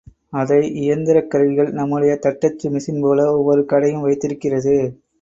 அதை இயந்திரக் கருவிகள் நம்முடைய தட்டச்சு மிஷின்போல ஒவ்வொரு கடையும் வைத்திருக்கிறது.